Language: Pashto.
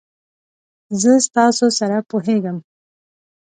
زه ستاسو سره پوهیږم.